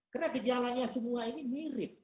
karena gejalanya semua ini mirip